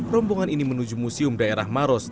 rombongan ini menuju museum daerah maros